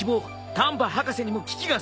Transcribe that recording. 丹波博士にも危機が迫る。